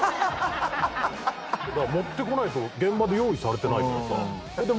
持ってこないと現場で用意されてないからさ。